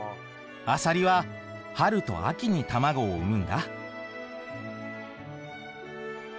アサリは春と秋に卵を産むんだ。